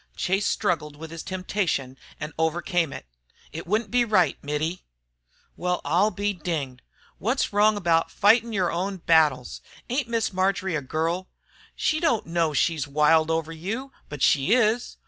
Chase struggled with his temptation and overcame it. "It wouldn't be right, Mittie." "Well, I'll be dinged! Wot's wrong about fightin' yer own battles? Ain't Miss Marjory a girl? She don't know she's wild over you, but she is.